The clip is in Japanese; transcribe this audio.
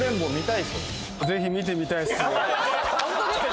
ホントですか？